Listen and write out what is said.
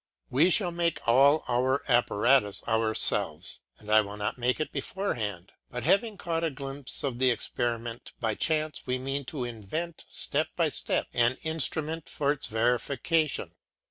We shall make all our apparatus ourselves, and I would not make it beforehand, but having caught a glimpse of the experiment by chance we mean to invent step by step an instrument for its verification.